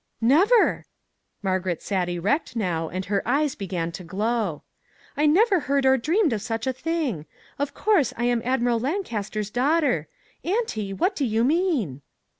"" Never !" Margaret sat erect now, and her eyes began to glow ; "I never heard or dreamed of such a thing; of course, I am Admiral Lancaster's daughter. Auntie, what do you mean